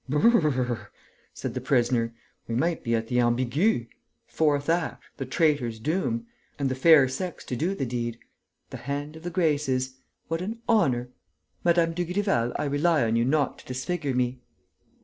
"Brrrrr!" said the prisoner. "We might be at the Ambigu!... Fourth act: the Traitor's Doom. And the fair sex to do the deed.... The hand of the Graces.... What an honour!... Mme. Dugrival, I rely on you not to disfigure me."